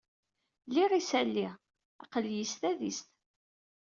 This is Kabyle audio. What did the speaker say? Liɣ isali. Aql-iyi s tadist.